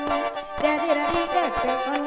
แต่เสียที่และที่เกิดเป็นคน